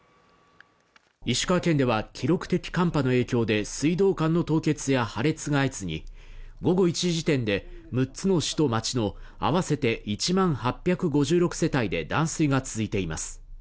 石川県では記録的寒波の影響で水道管の凍結や破裂が相次ぎ午後１時時点で６つの市と町の合わせて１万８５６世帯で断水が続いています。